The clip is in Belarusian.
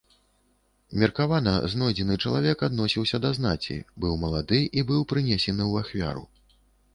Меркавана, знойдзены чалавек адносіўся да знаці, быў малады і быў прынесены ў ахвяру.